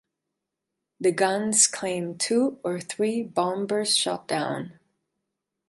The guns claimed two or three bombers shot down.